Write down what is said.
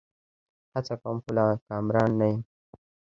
هڅه کوم؛ خو لا کامران نه یمه